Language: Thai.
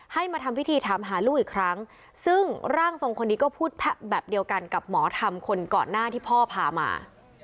มาทำพิธีถามหาลูกอีกครั้งซึ่งร่างทรงคนนี้ก็พูดแบบเดียวกันกับหมอธรรมคนก่อนหน้าที่พ่อพามา